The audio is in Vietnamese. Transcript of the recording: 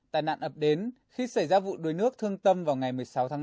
tài nạn ập đến khi xảy ra vụ đuối nước thương tâm vào ngày một mươi sáu tháng tám